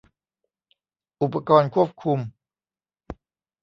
อุปกรณ์ควบคุม